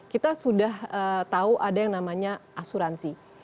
kita sudah tahu ada yang namanya asuransi